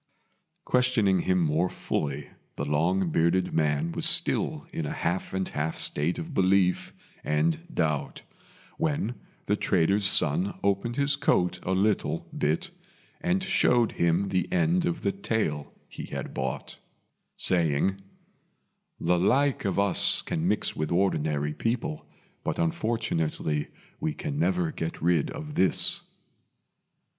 Questioning him more fully, the long bearded man was still in a half and half state of belief and doubt, when the trader's son opened his coat a little bit, and showed him the end of the tail he had bought, saying, "The like of us can mix with ordinary people, but unfortunately we can never get rid of this."